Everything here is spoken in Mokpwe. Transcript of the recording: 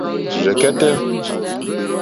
Rzɛ̀kɛ́tɛ́.